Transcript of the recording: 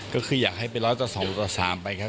ก็คืออยากให้ไป๑๐๐ต่อ๒ต่อ๓ไปค่ะ